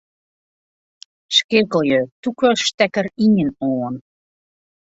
Skeakelje tûke stekker ien oan.